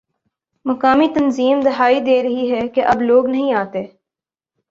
مقامی تنظیم دہائی دے رہی ہے کہ اب لوگ نہیں آتے